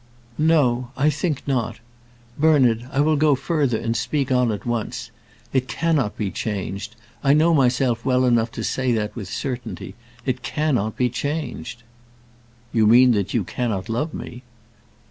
"No; I think not. Bernard, I will go further and speak on at once. It cannot be changed. I know myself well enough to say that with certainty. It cannot be changed." "You mean that you cannot love me?"